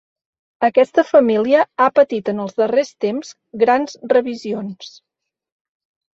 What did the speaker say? Aquesta família ha patit en els darrers temps grans revisions.